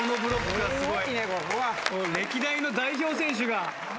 歴代の代表選手が。